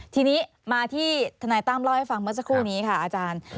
ทีนี้มาที่ธนายตั้มเล่าให้ฟังเมื่อสักครู่นี้ค่ะอาจารย์